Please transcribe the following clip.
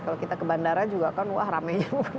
kalau kita ke bandara juga kan wah rame